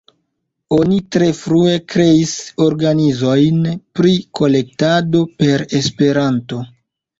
Oni tre frue kreis organizojn pri kolektado per Esperanto.